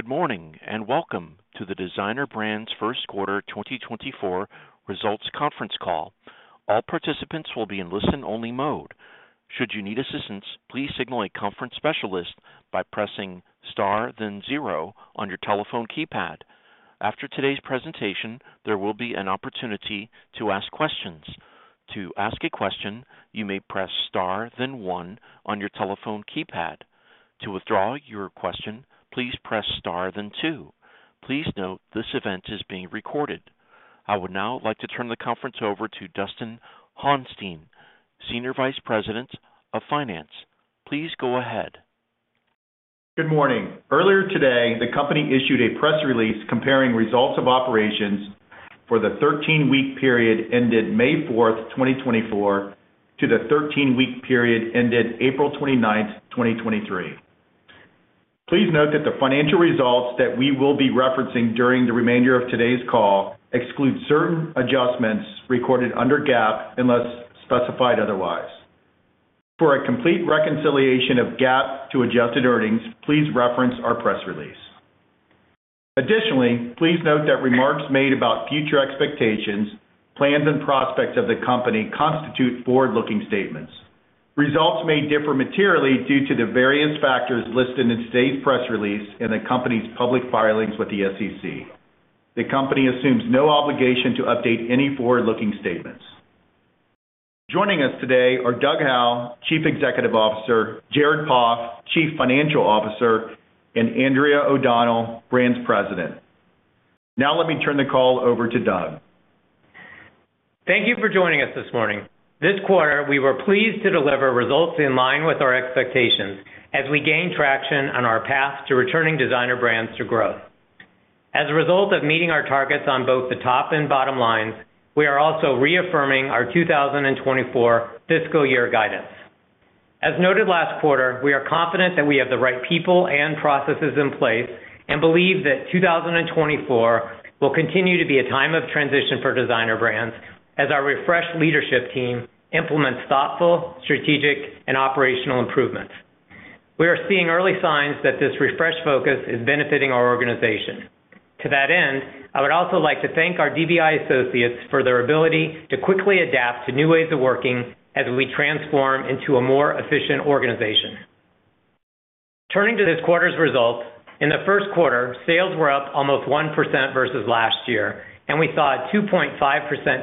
Good morning, and welcome to the Designer Brands First Quarter 2024 Results Conference Call. All participants will be in listen-only mode. Should you need assistance, please signal a conference specialist by pressing Star then zero on your telephone keypad. After today's presentation, there will be an opportunity to ask questions. To ask a question, you may press Star then one on your telephone keypad. To withdraw your question, please press Star then two. Please note, this event is being recorded. I would now like to turn the conference over to Dustin Honstein, Senior Vice President of Finance. Please go ahead. Good morning. Earlier today, the company issued a press release comparing results of operations for the 13-week period ended May 4, 2024, to the 13-week period ended April 29, 2023. Please note that the financial results that we will be referencing during the remainder of today's call exclude certain adjustments recorded under GAAP, unless specified otherwise. For a complete reconciliation of GAAP to adjusted earnings, please reference our press release. Additionally, please note that remarks made about future expectations, plans, and prospects of the company constitute forward-looking statements. Results may differ materially due to the various factors listed in today's press release in the company's public filings with the SEC. The company assumes no obligation to update any forward-looking statements. Joining us today are Doug Howe, Chief Executive Officer, Jared Poff, Chief Financial Officer, and Andrea O'Donnell, Brands President. Now let me turn the call over to Doug. Thank you for joining us this morning. This quarter, we were pleased to deliver results in line with our expectations as we gain traction on our path to returning Designer Brands to growth. As a result of meeting our targets on both the top and bottom lines, we are also reaffirming our 2024 fiscal year guidance. As noted last quarter, we are confident that we have the right people and processes in place and believe that 2024 will continue to be a time of transition for Designer Brands as our refreshed leadership team implements thoughtful, strategic, and operational improvements. We are seeing early signs that this refreshed focus is benefiting our organization. To that end, I would also like to thank our DBI associates for their ability to quickly adapt to new ways of working as we transform into a more efficient organization. Turning to this quarter's results, in the first quarter, sales were up almost 1% versus last year, and we saw a 2.5%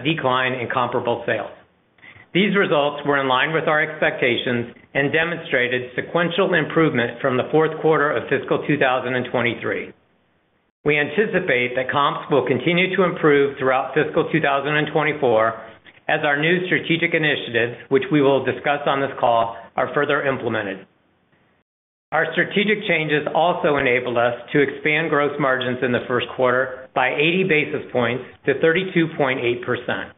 decline in comparable sales. These results were in line with our expectations and demonstrated sequential improvement from the fourth quarter of fiscal 2023. We anticipate that comps will continue to improve throughout fiscal 2024 as our new strategic initiatives, which we will discuss on this call, are further implemented. Our strategic changes also enabled us to expand gross margins in the first quarter by 80 basis points to 32.8%.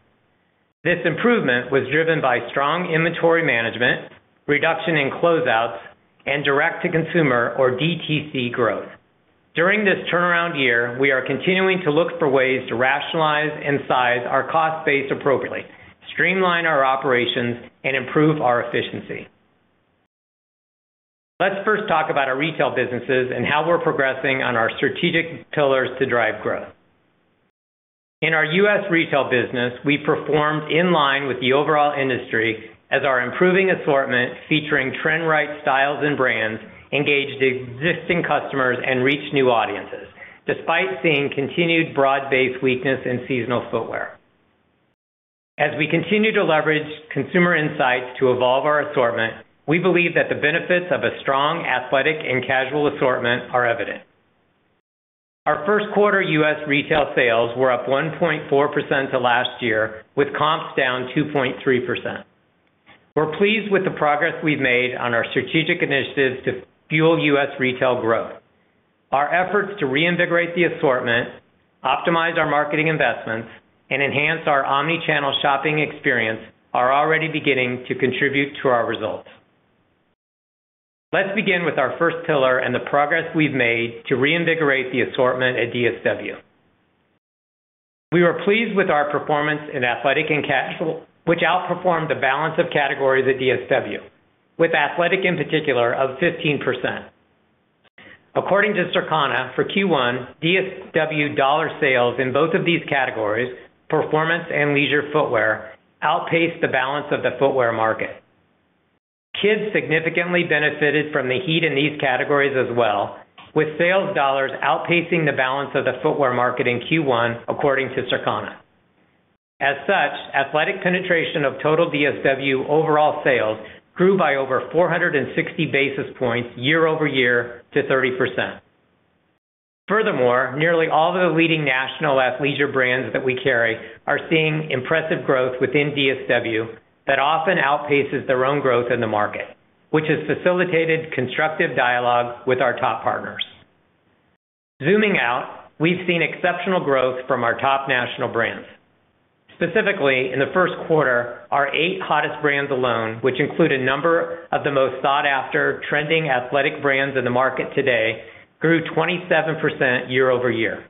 This improvement was driven by strong inventory management, reduction in closeouts, and direct-to-consumer, or DTC, growth. During this turnaround year, we are continuing to look for ways to rationalize and size our cost base appropriately, streamline our operations, and improve our efficiency. Let's first talk about our retail businesses and how we're progressing on our strategic pillars to drive growth. In our U.S. retail business, we performed in line with the overall industry as our improving assortment, featuring trend-right styles and brands, engaged existing customers and reached new audiences, despite seeing continued broad-based weakness in seasonal footwear. As we continue to leverage consumer insights to evolve our assortment, we believe that the benefits of a strong, athletic, and casual assortment are evident. Our first quarter U.S. retail sales were up 1.4% to last year, with comps down 2.3%. We're pleased with the progress we've made on our strategic initiatives to fuel U.S. retail growth. Our efforts to reinvigorate the assortment, optimize our marketing investments, and enhance our omni-channel shopping experience are already beginning to contribute to our results. Let's begin with our first pillar and the progress we've made to reinvigorate the assortment at DSW. We were pleased with our performance in athletic and casual, which outperformed the balance of categories at DSW, with athletic in particular up 15%. According to Circana, for Q1, DSW dollar sales in both of these categories, performance and leisure footwear, outpaced the balance of the footwear market. Kids significantly benefited from the heat in these categories as well, with sales dollars outpacing the balance of the footwear market in Q1, according to Circana. As such, athletic penetration of total DSW overall sales grew by over 460 basis points year-over-year to 30%. Furthermore, nearly all of the leading national athleisure brands that we carry are seeing impressive growth within DSW that often outpaces their own growth in the market, which has facilitated constructive dialogue with our top partners. Zooming out, we've seen exceptional growth from our top national brands. Specifically, in the first quarter, our eight hottest brands alone, which include a number of the most sought-after trending athletic brands in the market today, grew 27% year-over-year....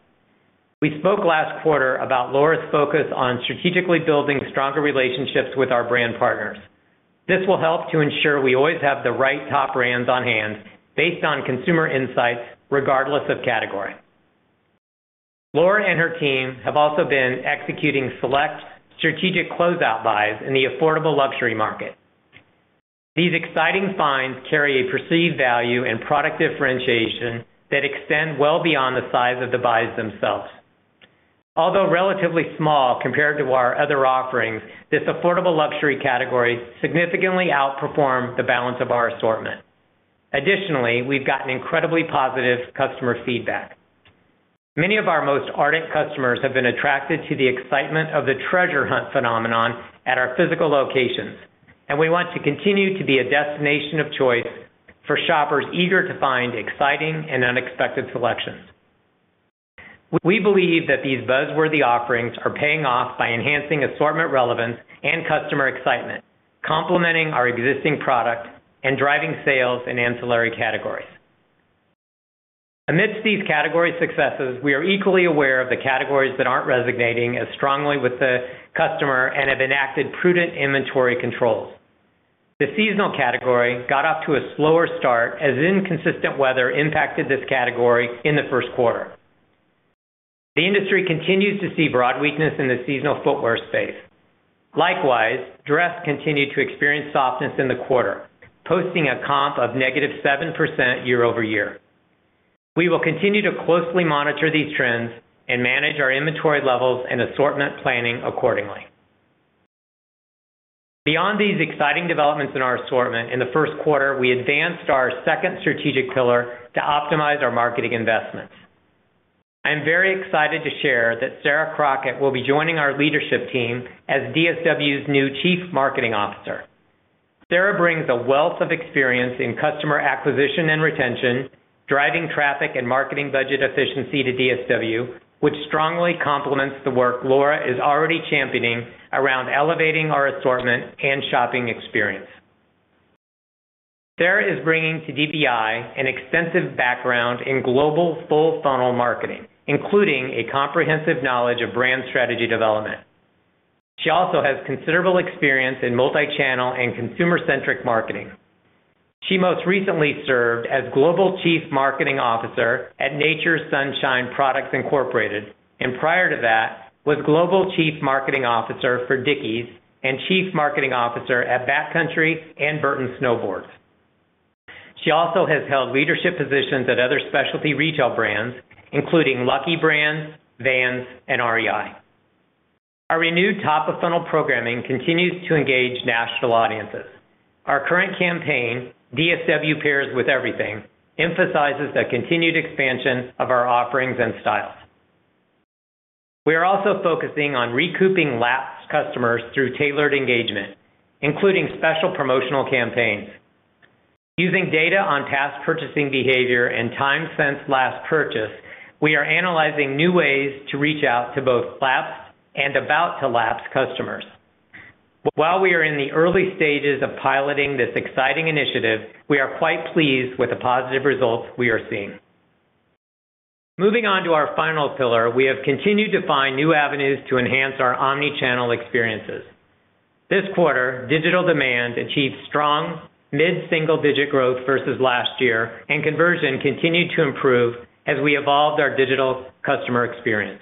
We spoke last quarter about Laura's focus on strategically building stronger relationships with our brand partners. This will help to ensure we always have the right top brands on hand based on consumer insights, regardless of category. Laura and her team have also been executing select strategic closeout buys in the affordable luxury market. These exciting finds carry a perceived value and product differentiation that extend well beyond the size of the buys themselves. Although relatively small compared to our other offerings, this affordable luxury category significantly outperformed the balance of our assortment. Additionally, we've gotten incredibly positive customer feedback. Many of our most ardent customers have been attracted to the excitement of the treasure hunt phenomenon at our physical locations, and we want to continue to be a destination of choice for shoppers eager to find exciting and unexpected selections. We believe that these buzzworthy offerings are paying off by enhancing assortment relevance and customer excitement, complementing our existing product and driving sales in ancillary categories. Amidst these category successes, we are equally aware of the categories that aren't resonating as strongly with the customer and have enacted prudent inventory controls. The seasonal category got off to a slower start, as inconsistent weather impacted this category in the first quarter. The industry continues to see broad weakness in the seasonal footwear space. Likewise, dress continued to experience softness in the quarter, posting a comp of negative 7% year-over-year. We will continue to closely monitor these trends and manage our inventory levels and assortment planning accordingly. Beyond these exciting developments in our assortment, in the first quarter, we advanced our second strategic pillar to optimize our marketing investments. I'm very excited to share that Sarah Crockett will be joining our leadership team as DSW's new Chief Marketing Officer. Sarah brings a wealth of experience in customer acquisition and retention, driving traffic and marketing budget efficiency to DSW, which strongly complements the work Laura is already championing around elevating our assortment and shopping experience. Sarah is bringing to DBI an extensive background in global full-funnel marketing, including a comprehensive knowledge of brand strategy development. She also has considerable experience in multi-channel and consumer-centric marketing. She most recently served as Global Chief Marketing Officer at Nature's Sunshine Products, Incorporated, and prior to that, was Global Chief Marketing Officer for Dickies and Chief Marketing Officer at Backcountry and Burton Snowboards. She also has held leadership positions at other specialty retail brands, including Lucky Brand, Vans, and REI. Our renewed top-of-funnel programming continues to engage national audiences. Our current campaign, DSW Pairs With Everything, emphasizes the continued expansion of our offerings and styles. We are also focusing on recouping lapsed customers through tailored engagement, including special promotional campaigns. Using data on past purchasing behavior and time since last purchase, we are analyzing new ways to reach out to both lapsed and about to lapse customers. While we are in the early stages of piloting this exciting initiative, we are quite pleased with the positive results we are seeing. Moving on to our final pillar, we have continued to find new avenues to enhance our omni-channel experiences. This quarter, digital demand achieved strong mid-single-digit growth versus last year, and conversion continued to improve as we evolved our digital customer experience.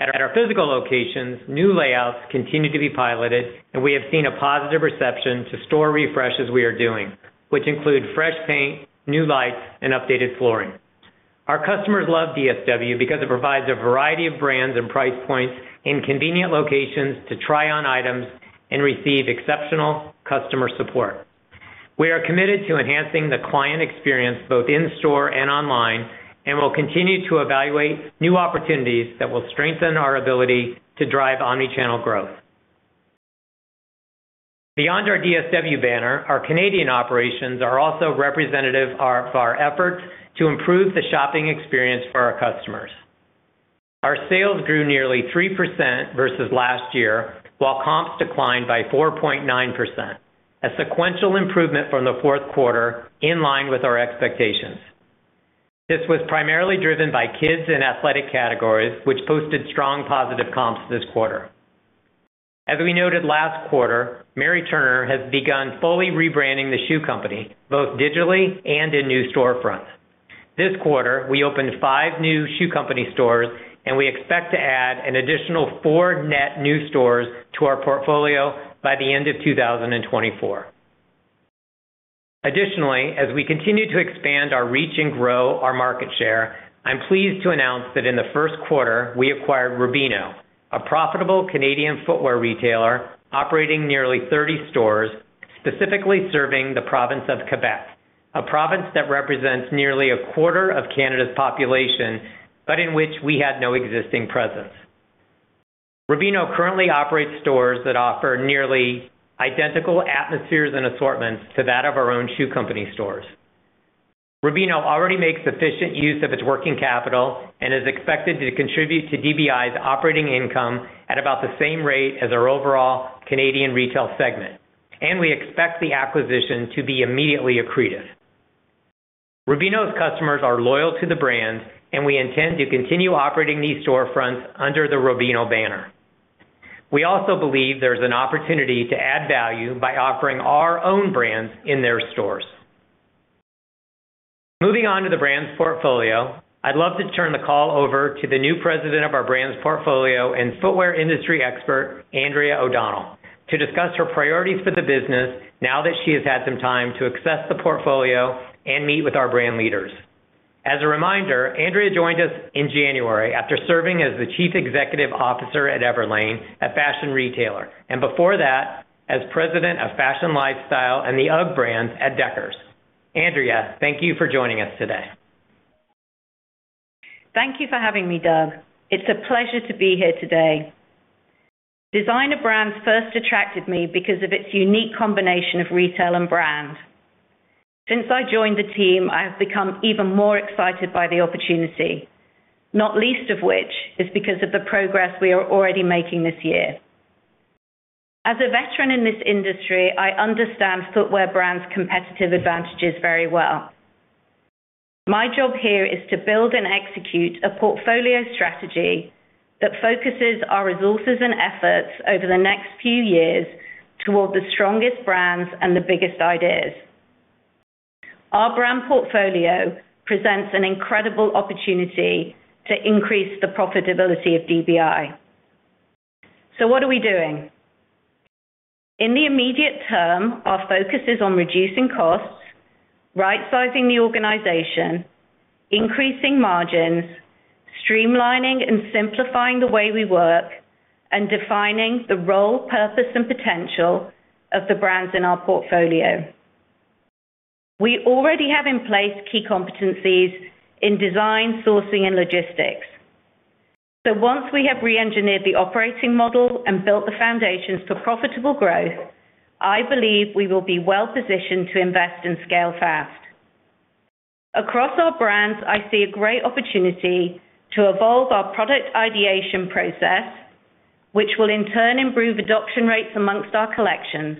At our physical locations, new layouts continued to be piloted, and we have seen a positive reception to store refreshes we are doing, which include fresh paint, new lights, and updated flooring. Our customers love DSW because it provides a variety of brands and price points in convenient locations to try on items and receive exceptional customer support. We are committed to enhancing the client experience, both in store and online, and will continue to evaluate new opportunities that will strengthen our ability to drive omni-channel growth. Beyond our DSW banner, our Canadian operations are also representative of our efforts to improve the shopping experience for our customers. Our sales grew nearly 3% versus last year, while comps declined by 4.9%, a sequential improvement from the fourth quarter, in line with our expectations. This was primarily driven by kids and athletic categories, which posted strong positive comps this quarter. As we noted last quarter, Mary Turner has begun fully rebranding The Shoe Company, both digitally and in new storefronts. This quarter, we opened five new Shoe Company stores, and we expect to add an additional four net new stores to our portfolio by the end of 2024. Additionally, as we continue to expand our reach and grow our market share, I'm pleased to announce that in the first quarter, we acquired Rubino, a profitable Canadian footwear retailer operating nearly 30 stores, specifically serving the province of Quebec, a province that represents nearly a quarter of Canada's population, but in which we had no existing presence. Rubino currently operates stores that offer nearly identical atmospheres and assortments to that of our own Shoe Company stores. Rubino already makes efficient use of its working capital and is expected to contribute to DBI's operating income at about the same rate as our overall Canadian retail segment, and we expect the acquisition to be immediately accretive. Rubino's customers are loyal to the brand, and we intend to continue operating these storefronts under the Rubino banner. We also believe there's an opportunity to add value by offering our own brands in their stores. Moving on to the brands portfolio, I'd love to turn the call over to the new president of our brands portfolio and footwear industry expert, Andrea O'Donnell, to discuss her priorities for the business now that she has had some time to assess the portfolio and meet with our brand leaders. As a reminder, Andrea joined us in January after serving as the Chief Executive Officer at Everlane, a fashion retailer, and before that, as President of Fashion Lifestyle and the UGG brands at Deckers. Andrea, thank you for joining us today. Thank you for having me, Doug. It's a pleasure to be here today. Designer Brands first attracted me because of its unique combination of retail and brand. Since I joined the team, I have become even more excited by the opportunity, not least of which is because of the progress we are already making this year. As a veteran in this industry, I understand footwear brands' competitive advantages very well. My job here is to build and execute a portfolio strategy that focuses our resources and efforts over the next few years toward the strongest brands and the biggest ideas. Our brand portfolio presents an incredible opportunity to increase the profitability of DBI. So what are we doing? In the immediate term, our focus is on reducing costs, right-sizing the organization, increasing margins, streamlining and simplifying the way we work, and defining the role, purpose, and potential of the brands in our portfolio. We already have in place key competencies in design, sourcing, and logistics. So once we have reengineered the operating model and built the foundations for profitable growth, I believe we will be well positioned to invest and scale fast. Across our brands, I see a great opportunity to evolve our product ideation process, which will in turn improve adoption rates amongst our collections.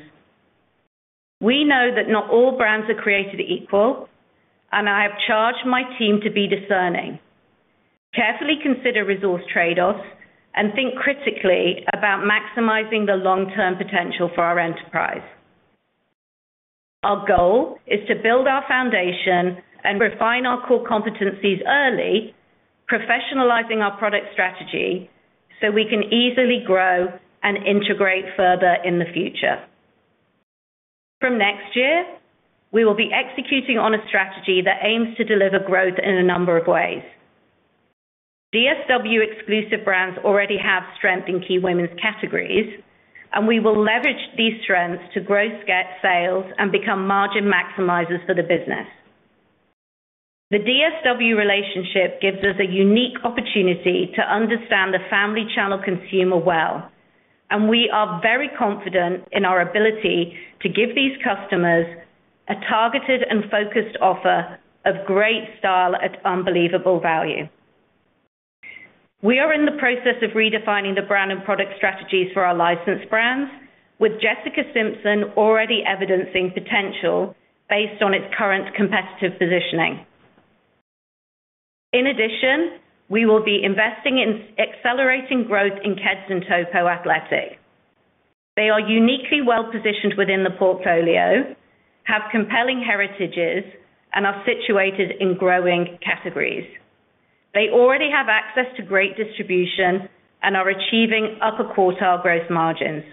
We know that not all brands are created equal, and I have charged my team to be discerning, carefully consider resource trade-offs, and think critically about maximizing the long-term potential for our enterprise. Our goal is to build our foundation and refine our core competencies early, professionalizing our product strategy, so we can easily grow and integrate further in the future. From next year, we will be executing on a strategy that aims to deliver growth in a number of ways. DSW exclusive brands already have strength in key women's categories, and we will leverage these strengths to grow sales and become margin maximizers for the business. The DSW relationship gives us a unique opportunity to understand the family channel consumer well, and we are very confident in our ability to give these customers a targeted and focused offer of great style at unbelievable value. We are in the process of redefining the brand and product strategies for our licensed brands, with Jessica Simpson already evidencing potential based on its current competitive positioning. In addition, we will be investing in accelerating growth in Keds and Topo Athletic. They are uniquely well-positioned within the portfolio, have compelling heritages, and are situated in growing categories. They already have access to great distribution and are achieving upper quartile gross margins.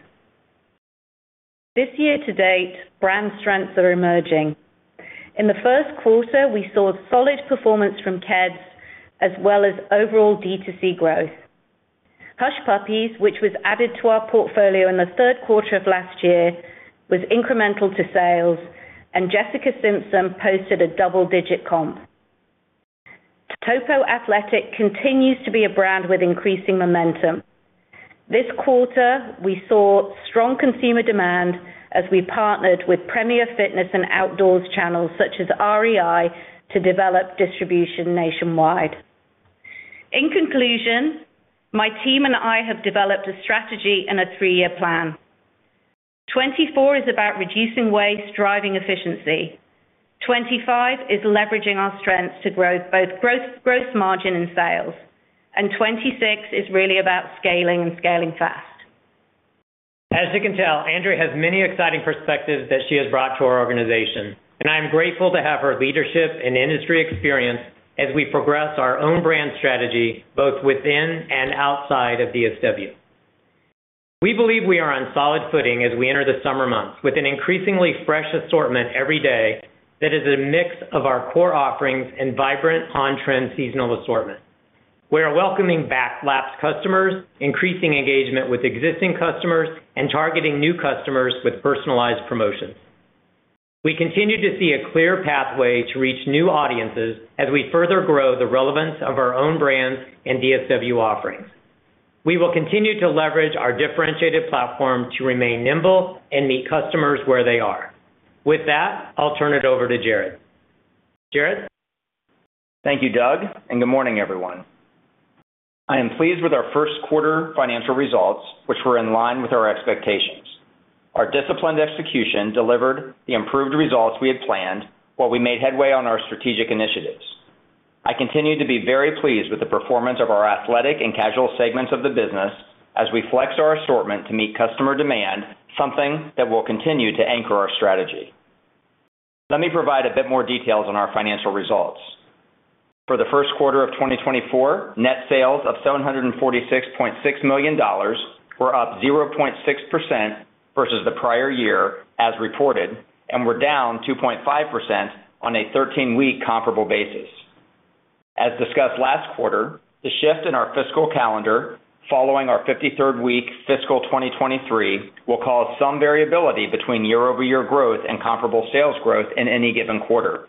This year to date, brand strengths are emerging. In the first quarter, we saw solid performance from Keds as well as overall DTC growth. Hush Puppies, which was added to our portfolio in the third quarter of last year, was incremental to sales, and Jessica Simpson posted a double-digit comp. Topo Athletic continues to be a brand with increasing momentum. This quarter, we saw strong consumer demand as we partnered with premier fitness and outdoors channels, such as REI, to develop distribution nationwide. In conclusion, my team and I have developed a strategy and a three-year plan. 2024 is about reducing waste, driving efficiency. 25 is leveraging our strengths to growth, both growth, gross margin, and sales. 26 is really about scaling and scaling fast. As you can tell, Andrea has many exciting perspectives that she has brought to our organization, and I am grateful to have her leadership and industry experience as we progress our own brand strategy, both within and outside of DSW. We believe we are on solid footing as we enter the summer months with an increasingly fresh assortment every day that is a mix of our core offerings and vibrant, on-trend seasonal assortment. We are welcoming back lapsed customers, increasing engagement with existing customers, and targeting new customers with personalized promotions. We continue to see a clear pathway to reach new audiences as we further grow the relevance of our own brands and DSW offerings. We will continue to leverage our differentiated platform to remain nimble and meet customers where they are. With that, I'll turn it over to Jared. Jared? Thank you, Doug, and good morning, everyone. I am pleased with our first quarter financial results, which were in line with our expectations. Our disciplined execution delivered the improved results we had planned, while we made headway on our strategic initiatives. I continue to be very pleased with the performance of our athletic and casual segments of the business as we flex our assortment to meet customer demand, something that will continue to anchor our strategy. Let me provide a bit more details on our financial results. For the first quarter of 2024, net sales of $746.6 million were up 0.6% versus the prior year, as reported, and were down 2.5% on a 13-week comparable basis. As discussed last quarter, the shift in our fiscal calendar following our 53rd week fiscal 2023 will cause some variability between year-over-year growth and comparable sales growth in any given quarter.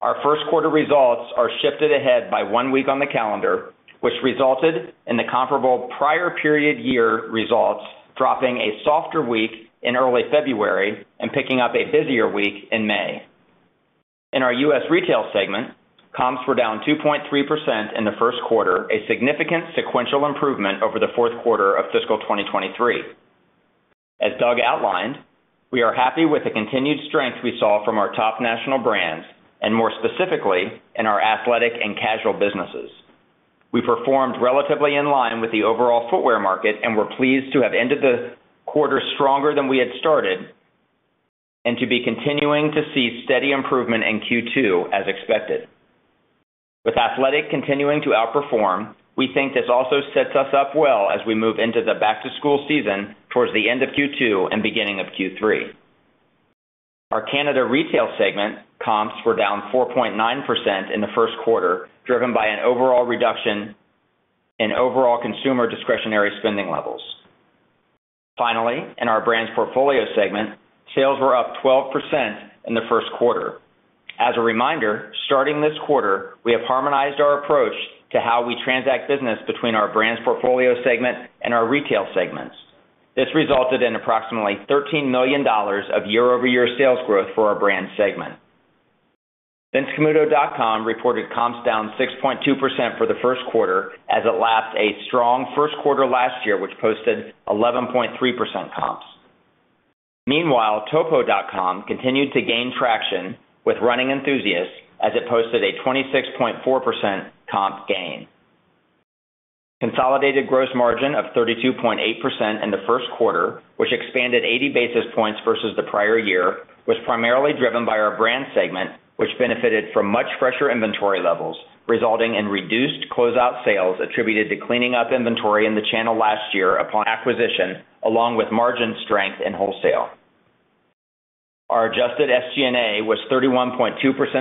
Our first quarter results are shifted ahead by 1 week on the calendar, which resulted in the comparable prior period year results, dropping a softer week in early February and picking up a busier week in May. In our U.S. retail segment, comps were down 2.3% in the first quarter, a significant sequential improvement over the fourth quarter of fiscal 2023. As Doug Howe outlined, we are happy with the continued strength we saw from our top national brands and more specifically, in our athletic and casual businesses. We performed relatively in line with the overall footwear market, and we're pleased to have ended the quarter stronger than we had started, and to be continuing to see steady improvement in Q2 as expected. With athletic continuing to outperform, we think this also sets us up well as we move into the back-to-school season towards the end of Q2 and beginning of Q3. Our Canada retail segment comps were down 4.9% in the first quarter, driven by an overall reduction in overall consumer discretionary spending levels. Finally, in our brands portfolio segment, sales were up 12% in the first quarter. As a reminder, starting this quarter, we have harmonized our approach to how we transact business between our brands portfolio segment and our retail segments. This resulted in approximately $13 million of year-over-year sales growth for our brand segment. VinceCamuto.com reported comps down 6.2% for the first quarter, as it lapped a strong first quarter last year, which posted 11.3% comps. Meanwhile, Topo.com continued to gain traction with running enthusiasts as it posted a 26.4% comp gain. Consolidated gross margin of 32.8% in the first quarter, which expanded 80 basis points versus the prior year, was primarily driven by our brand segment, which benefited from much fresher inventory levels, resulting in reduced closeout sales attributed to cleaning up inventory in the channel last year upon acquisition, along with margin strength and wholesale. Our adjusted SG&A was 31.2%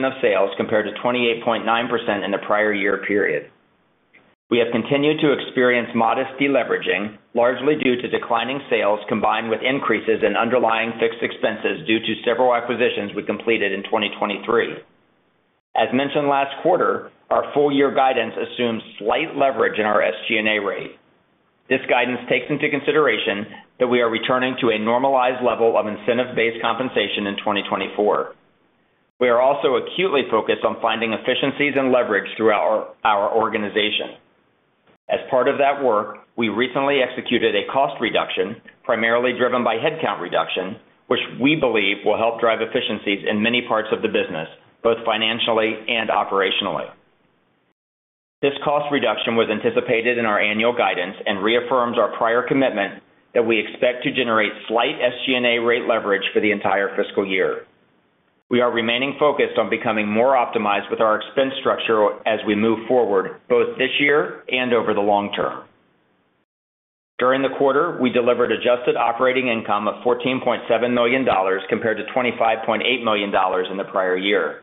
of sales, compared to 28.9% in the prior year period. We have continued to experience modest deleveraging, largely due to declining sales, combined with increases in underlying fixed expenses due to several acquisitions we completed in 2023. As mentioned last quarter, our full year guidance assumes slight leverage in our SG&A rate. This guidance takes into consideration that we are returning to a normalized level of incentive-based compensation in 2024. We are also acutely focused on finding efficiencies and leverage throughout our organization. As part of that work, we recently executed a cost reduction, primarily driven by headcount reduction, which we believe will help drive efficiencies in many parts of the business, both financially and operationally. This cost reduction was anticipated in our annual guidance and reaffirms our prior commitment that we expect to generate slight SG&A rate leverage for the entire fiscal year. We are remaining focused on becoming more optimized with our expense structure as we move forward, both this year and over the long term. During the quarter, we delivered adjusted operating income of $14.7 million, compared to $25.8 million in the prior year.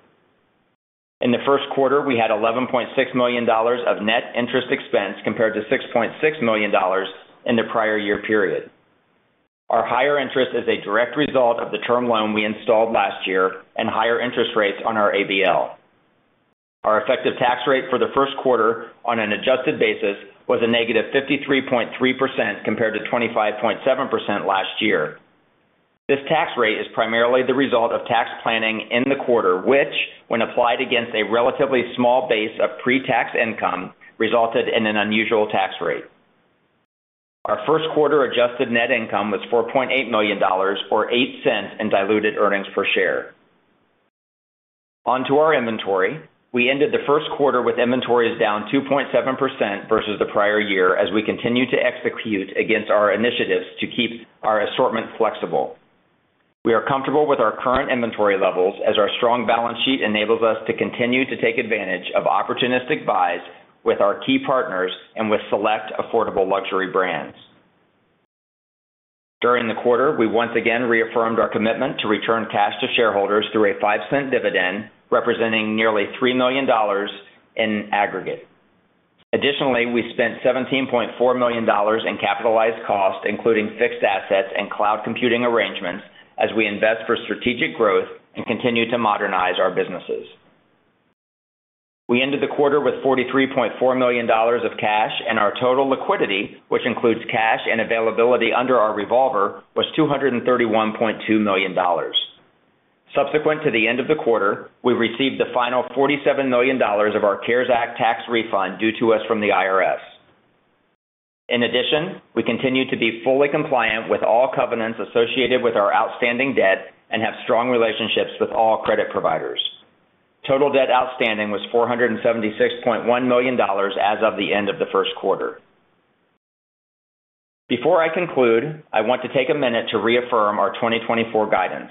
In the first quarter, we had $11.6 million of net interest expense, compared to $6.6 million in the prior year period. Our higher interest is a direct result of the term loan we installed last year and higher interest rates on our ABL. Our effective tax rate for the first quarter on an adjusted basis was a negative 53.3%, compared to 25.7% last year. This tax rate is primarily the result of tax planning in the quarter, which, when applied against a relatively small base of pre-tax income, resulted in an unusual tax rate. Our first quarter adjusted net income was $4.8 million, or $0.08 in diluted earnings per share. On to our inventory. We ended the first quarter with inventories down 2.7% versus the prior year, as we continue to execute against our initiatives to keep our assortment flexible. We are comfortable with our current inventory levels as our strong balance sheet enables us to continue to take advantage of opportunistic buys with our key partners and with select affordable luxury brands. During the quarter, we once again reaffirmed our commitment to return cash to shareholders through a $0.05 dividend, representing nearly $3 million in aggregate. Additionally, we spent $17.4 million in capitalized costs, including fixed assets and cloud computing arrangements, as we invest for strategic growth and continue to modernize our businesses. We ended the quarter with $43.4 million of cash, and our total liquidity, which includes cash and availability under our revolver, was $231.2 million.... Subsequent to the end of the quarter, we received the final $47 million of our CARES Act tax refund due to us from the IRS. In addition, we continue to be fully compliant with all covenants associated with our outstanding debt and have strong relationships with all credit providers. Total debt outstanding was $476.1 million as of the end of the first quarter. Before I conclude, I want to take a minute to reaffirm our 2024 guidance.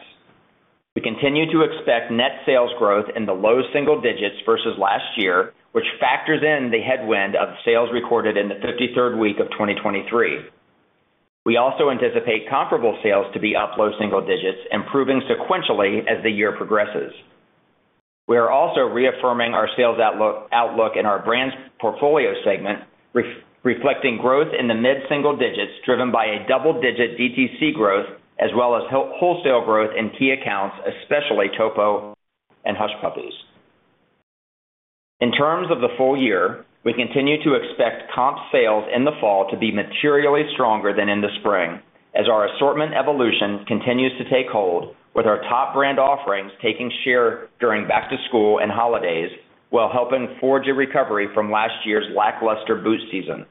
We continue to expect net sales growth in the low single digits versus last year, which factors in the headwind of sales recorded in the 53rd week of 2023. We also anticipate comparable sales to be up low single digits, improving sequentially as the year progresses. We are also reaffirming our sales outlook in our brands portfolio segment, reflecting growth in the mid single digits, driven by a double-digit DTC growth, as well as wholesale growth in key accounts, especially Topo and Hush Puppies. In terms of the full year, we continue to expect comp sales in the fall to be materially stronger than in the spring, as our assortment evolution continues to take hold, with our top brand offerings taking share during back-to-school and holidays, while helping forge a recovery from last year's lackluster boot season.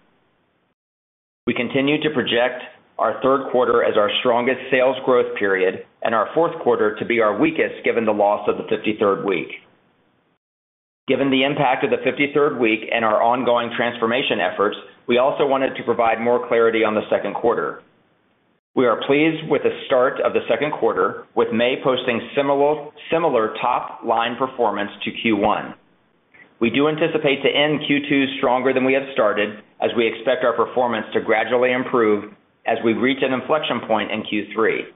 We continue to project our third quarter as our strongest sales growth period and our fourth quarter to be our weakest, given the loss of the 53rd week. Given the impact of the 53rd week and our ongoing transformation efforts, we also wanted to provide more clarity on the second quarter. We are pleased with the start of the second quarter, with May posting similar top-line performance to Q1. We do anticipate to end Q2 stronger than we have started, as we expect our performance to gradually improve as we reach an inflection point in Q3.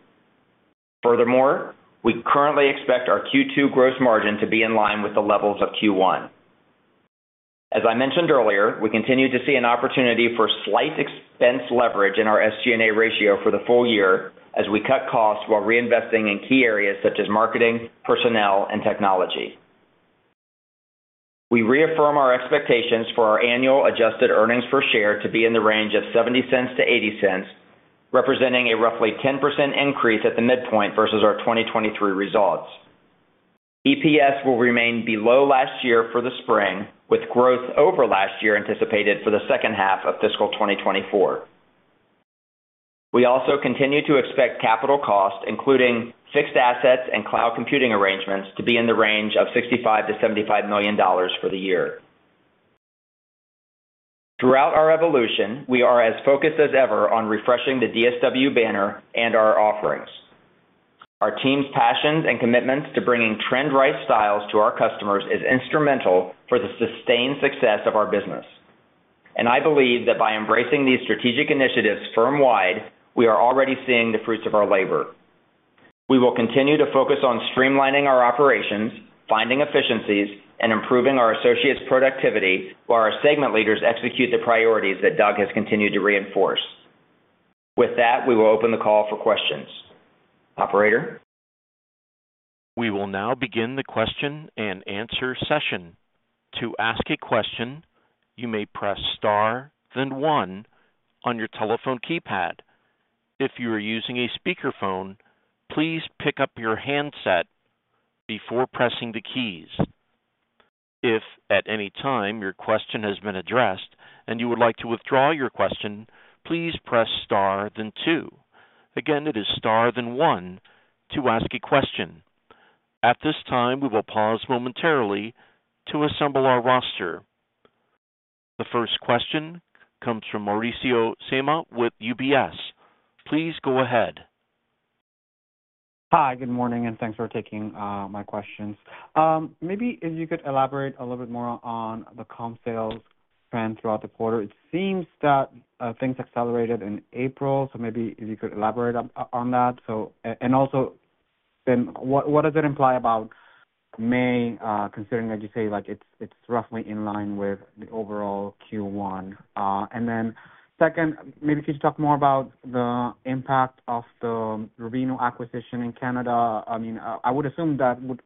Furthermore, we currently expect our Q2 gross margin to be in line with the levels of Q1. As I mentioned earlier, we continue to see an opportunity for slight expense leverage in our SG&A ratio for the full year as we cut costs while reinvesting in key areas such as marketing, personnel, and technology. We reaffirm our expectations for our annual adjusted earnings per share to be in the range of $0.70-$0.80, representing a roughly 10% increase at the midpoint versus our 2023 results. EPS will remain below last year for the spring, with growth over last year anticipated for the second half of fiscal 2024. We also continue to expect capital costs, including fixed assets and cloud computing arrangements, to be in the range of $65 million-$75 million for the year. Throughout our evolution, we are as focused as ever on refreshing the DSW banner and our offerings. Our team's passions and commitments to bringing trend-right styles to our customers is instrumental for the sustained success of our business, and I believe that by embracing these strategic initiatives firm-wide, we are already seeing the fruits of our labor. We will continue to focus on streamlining our operations, finding efficiencies, and improving our associates' productivity, while our segment leaders execute the priorities that Doug has continued to reinforce. With that, we will open the call for questions. Operator? We will now begin the question and answer session. To ask a question, you may press star, then one on your telephone keypad. If you are using a speakerphone, please pick up your handset before pressing the keys. If at any time your question has been addressed and you would like to withdraw your question, please press star, then two. Again, it is star, then one to ask a question. At this time, we will pause momentarily to assemble our roster. The first question comes from Mauricio Serna with UBS. Please go ahead. Hi, good morning, and thanks for taking my questions. Maybe if you could elaborate a little bit more on the comp sales trend throughout the quarter. It seems that things accelerated in April, so maybe if you could elaborate on that. And also, then what does it imply about May, considering that you say, like, it's roughly in line with the overall Q1? And then second, maybe could you talk more about the impact of the Rubino acquisition in Canada? I mean, I would assume that would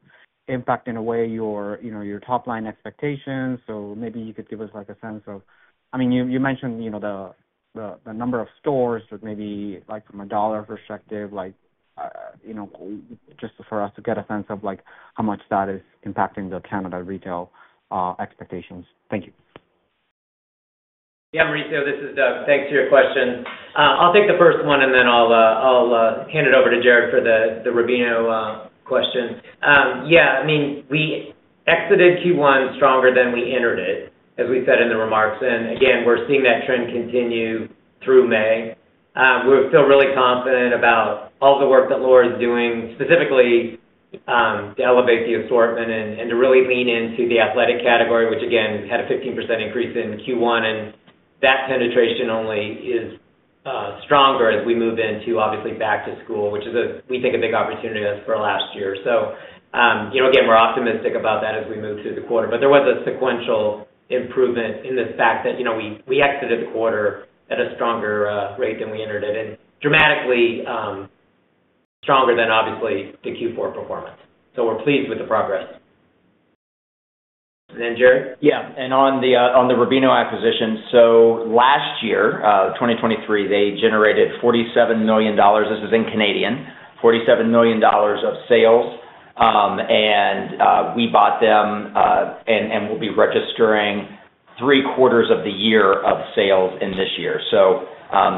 impact, in a way, your, you know, your top-line expectations. So maybe you could give us, like, a sense of—I mean, you mentioned, you know, the number of stores, but maybe, like, from a dollar perspective, like, you know, just for us to get a sense of, like, how much that is impacting the Canada retail expectations. Thank you. Yeah, Mauricio, this is Doug. Thanks for your question. I'll take the first one, and then I'll hand it over to Jared for the Rubino question. Yeah, I mean, we exited Q1 stronger than we entered it, as we said in the remarks. And again, we're seeing that trend continue through May. We're still really confident about all the work that Laura is doing, specifically to elevate the assortment and to really lean into the athletic category, which, again, had a 15% increase in Q1. And that penetration only is stronger as we move into, obviously, back to school, which is a we think, a big opportunity as for last year. You know, again, we're optimistic about that as we move through the quarter. But there was a sequential improvement in the fact that, you know, we exited the quarter at a stronger rate than we entered it and dramatically stronger than obviously the Q4 performance. So we're pleased with the progress. ... and then Jared? Yeah, and on the Rubino acquisition, so last year, 2023, they generated CAD 47 million. This is in Canadian, 47 million Canadian dollars of sales. And we bought them, and we'll be registering three quarters of the year of sales in this year. So,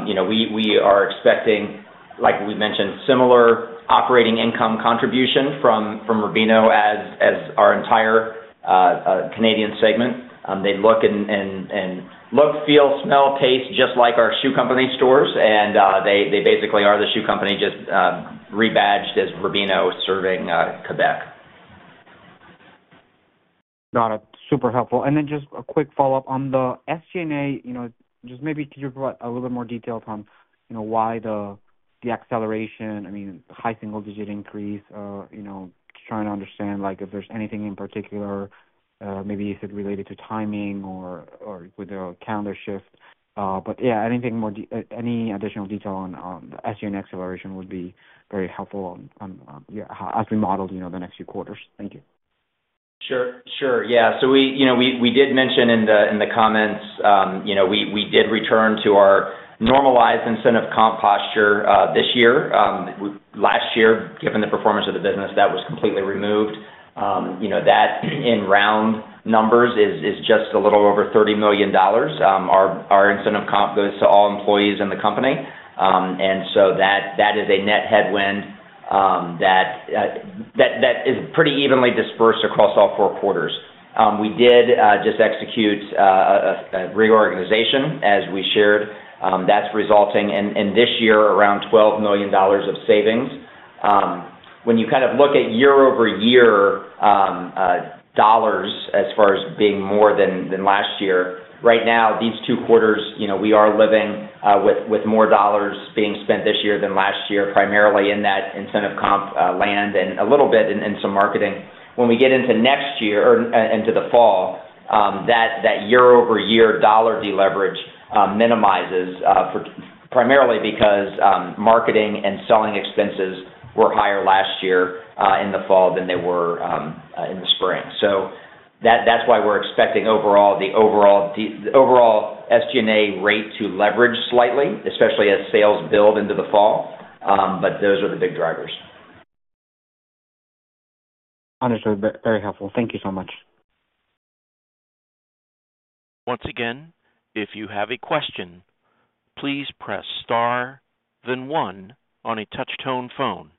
you know, we are expecting, like we mentioned, similar operating income contribution from Rubino as our entire Canadian segment. They look, feel, smell, taste just like our Shoe Company stores, and they basically are The Shoe Company, just rebadged as Rubino serving Quebec. Got it. Super helpful. And then just a quick follow-up. On the SG&A, you know, just maybe could you provide a little bit more detail from, you know, why the acceleration, I mean, high single-digit increase? You know, just trying to understand, like, if there's anything in particular, maybe is it related to timing or with the calendar shift. But yeah, any additional detail on the SG&A acceleration would be very helpful, yeah, as we model, you know, the next few quarters. Thank you. Sure. Sure. Yeah. So we, you know, did mention in the comments, you know, we did return to our normalized incentive comp posture, this year. Last year, given the performance of the business, that was completely removed. You know, that in round numbers is just a little over $30 million. Our incentive comp goes to all employees in the company. And so that is a net headwind, that is pretty evenly dispersed across all four quarters. We did just execute a reorganization, as we shared. That's resulting in this year around $12 million of savings. When you kind of look at year-over-year, dollars as far as being more than, than last year, right now, these two quarters, you know, we are living, with, with more dollars being spent this year than last year, primarily in that incentive comp, land and a little bit in, in some marketing. When we get into next year or into the fall, that, that year-over-year dollar deleverage, minimizes, for primarily because, marketing and selling expenses were higher last year, in the fall than they were, in the spring. So that's why we're expecting overall, the overall the overall SG&A rate to leverage slightly, especially as sales build into the fall. But those are the big drivers. Understood. Very helpful. Thank you so much. Once again, if you have a question, please press star then one on a touch tone phone.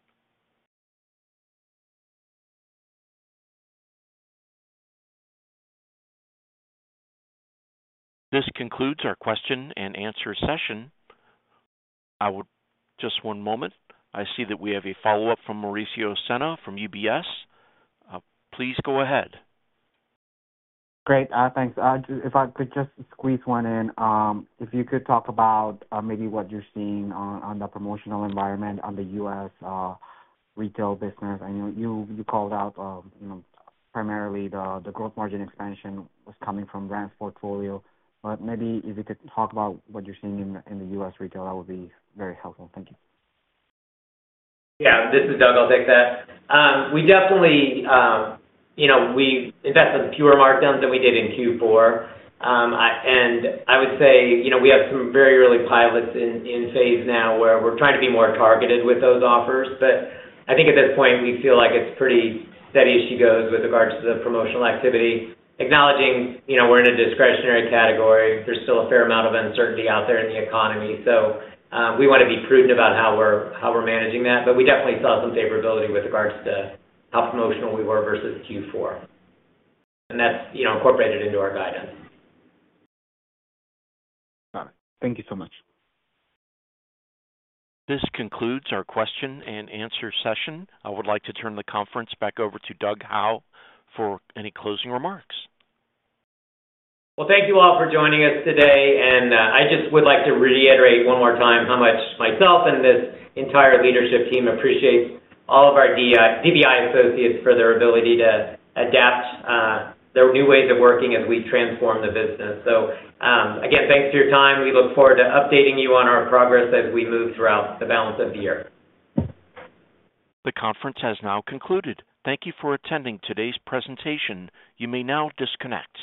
This concludes our question and answer session. I would... Just one moment, I see that we have a follow-up from Mauricio Serna from UBS. Please go ahead. Great. Thanks. If I could just squeeze one in. If you could talk about, maybe what you're seeing on, on the promotional environment on the U.S. retail business. I know you, you called out, you know, primarily the, the growth margin expansion was coming from brands portfolio, but maybe if you could talk about what you're seeing in, in the U.S. retail, that would be very helpful. Thank you. Yeah, this is Doug. I'll take that. We definitely, you know, we've invested fewer markdowns than we did in Q4. And I would say, you know, we have some very early pilots in phase now where we're trying to be more targeted with those offers. But I think at this point, we feel like it's pretty steady as she goes with regards to the promotional activity. Acknowledging, you know, we're in a discretionary category, there's still a fair amount of uncertainty out there in the economy, so we want to be prudent about how we're managing that. But we definitely saw some favorability with regards to how promotional we were versus Q4, and that's, you know, incorporated into our guidance. Got it. Thank you so much. This concludes our question and answer session. I would like to turn the conference back over to Doug Howe for any closing remarks. Well, thank you all for joining us today, and I just would like to reiterate one more time how much myself and this entire leadership team appreciates all of our DBI associates for their ability to adapt their new ways of working as we transform the business. So, again, thanks for your time. We look forward to updating you on our progress as we move throughout the balance of the year. The conference has now concluded. Thank you for attending today's presentation. You may now disconnect.